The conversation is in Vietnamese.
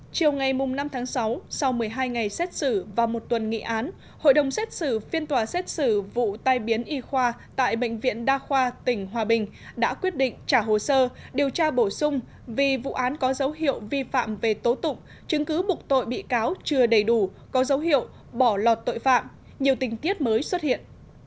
chiều ngày năm tháng sáu sau một mươi hai ngày xét xử và một tuần nghị án hội đồng xét xử phiên tòa xét xử vụ tai biến y khoa tại bệnh viện đa khoa tỉnh hòa bình đã quyết định trả hồ sơ điều tra bổ sung vì vụ án có dấu hiệu vi phạm về tố tụng chứng cứ mục tội bị cáo chưa đầy đủ có dấu hiệu bỏ lọt tội phạm nhiều tình tiết mới xuất hiện